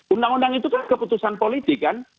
undang undang itu kan keputusan politik kan